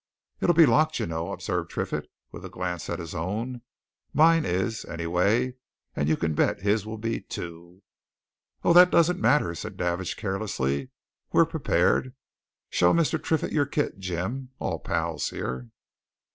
"It'll be locked, you know," observed Triffitt, with a glance at his own. "Mine is, anyway, and you can bet his will be, too." "Oh that doesn't matter," said Davidge, carelessly. "We're prepared. Show Mr. Triffitt your kit, Jim all pals here."